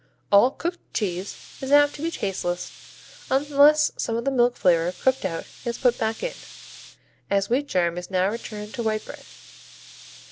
All cooked cheese is apt to be tasteless unless some of the milk flavor cooked out is put back in, as wheat germ is now returned to white bread.